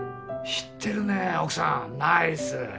知ってるね奥さんナイス。